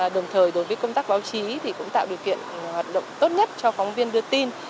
đồng thời đối với công tác báo chí thì cũng tạo điều kiện hoạt động tốt nhất cho phóng viên đưa tin